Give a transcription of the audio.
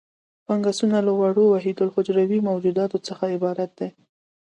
فنګسونه له وړو وحیدالحجروي موجوداتو څخه عبارت دي.